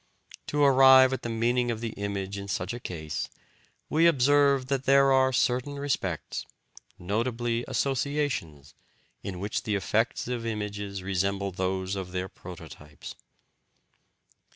To arrive at the meaning of the image in such a case, we observe that there are certain respects, notably associations, in which the effects of images resemble those of their prototypes.